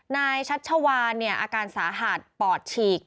นายชัชชาวาเนี่ยอาการสาหาธิ์ปอดฉีก